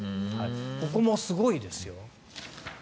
ここもすごいですよ。